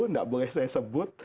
tidak boleh saya sebut